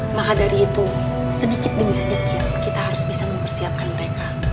maka dari itu sedikit demi sedikit kita harus bisa mempersiapkan mereka